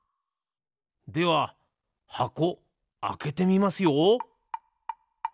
では箱あけてみますよ！